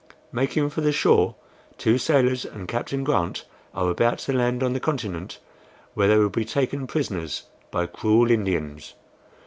Making for the shore, two sailors and Captain Grant are about to land on the continent, where they will be taken prisoners by cruel Indians.